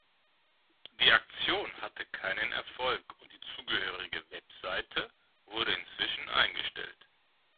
Die Aktion hatte keinen Erfolg und die zugehörige Webseite wurde inzwischen eingestellt.